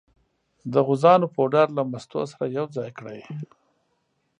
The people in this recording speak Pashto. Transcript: د غوزانو پوډر له مستو سره یو ځای کړئ.